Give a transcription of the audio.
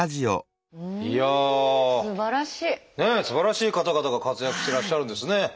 すばらしい方々が活躍してらっしゃるんですね。